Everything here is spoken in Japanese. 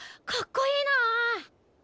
かっこいいなあ！